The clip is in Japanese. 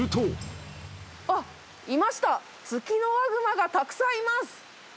いました、ツキノワグマがたくさんいます！